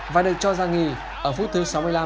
và được cho ra nghỉ ở phút thứ sáu mươi năm